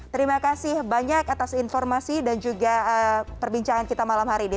terima kasih banyak atas informasi dan juga perbincangan kita malam hari ini